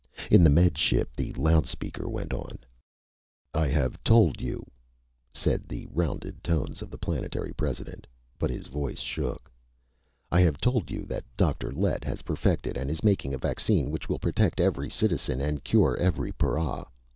In the Med Ship the loud speaker went on: "I have told you," said the rounded tones of the Planetary President but his voice shook, "_I have told you that Dr. Lett has perfected and is making a vaccine which will protect every citizen and cure every para.